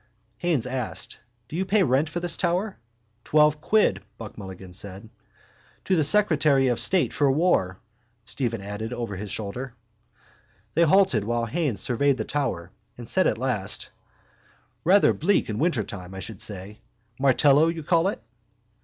Haines asked: —Do you pay rent for this tower? —Twelve quid, Buck Mulligan said. —To the secretary of state for war, Stephen added over his shoulder. They halted while Haines surveyed the tower and said at last: —Rather bleak in wintertime, I should say. Martello you call it?